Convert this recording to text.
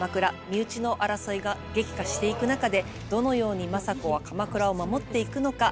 身内の争いが激化していく中でどのように政子は鎌倉を守っていくのか。